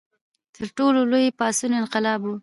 تر ټولو لوی پاڅون انقلاب و.